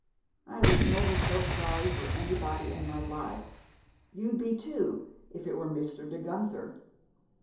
I was never so sorry for anybody in my life you'd be, too, if it were Mr. De Guenther!"